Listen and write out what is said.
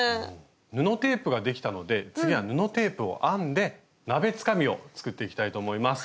布テープができたので次は布テープを編んで鍋つかみを作っていきたいと思います。